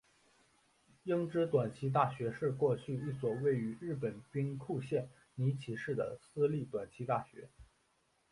英知短期大学是过去一所位于日本兵库县尼崎市的私立短期大学。